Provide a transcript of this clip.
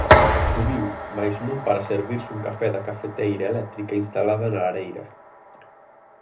Subiu, mais non para servirse un café da cafeteira eléctrica instalada na lareira.